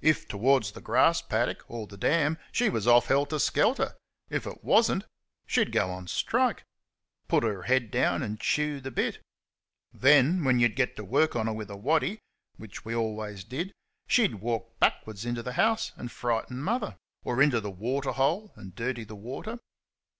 If towards the grass paddock or the dam, she was off helter skelter. If it was n't, she'd go on strike put her head down and chew the bit. Then, when you'd get to work on her with a waddy which we always did she'd walk backwards into the house and frighten Mother, or into the waterhole and dirty the water.